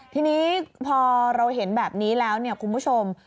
ทีนี้พอเราเห็นแบบนี้แล้วเนี่ยคุณผู้ชม